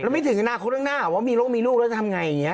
แล้วถึงจังกลางครบหน้าหรือเปาว่ามีโรคมีลูกแล้วจะทำอย่างนี้